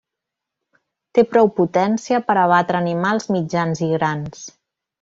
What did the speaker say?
Té prou potència per abatre animals mitjans i grans.